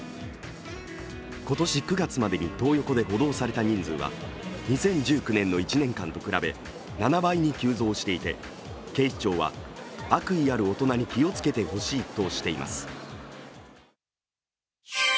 今年９月までにとー横で補導された人数は２０１９年の１年間と比べ７倍に急増していて、警視庁は、悪意ある大人に気をつけてほしいとしています。